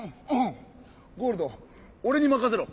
ゴールドおれにまかせろ！